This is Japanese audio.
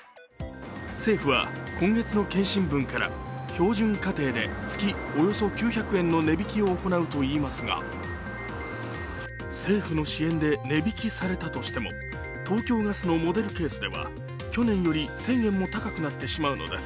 政府は今月の検針分から月およそ９００円の値引きを行うといいますが、政府の支援で値引きされたとしても東京ガスのモデルケースでは去年より１０００円も高くなってしまうのです。